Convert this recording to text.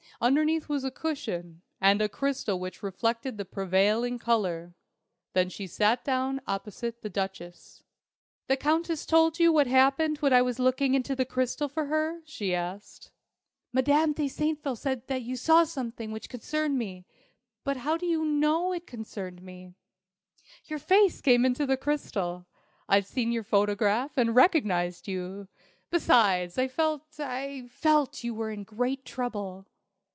Underneath was a cushion, and a crystal which reflected the prevailing colour. Then she sat down opposite the Duchess. "The Countess told you what happened when I was looking into the crystal for her?" she asked. "Madame de Saintville said that you saw something which concerned me. But how did you know it concerned me?" "Your face came into the crystal. I'd seen your photograph, and recognized you. Besides, I felt I felt that you were in great trouble."